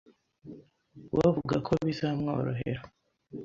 we avuga ko bizamworohera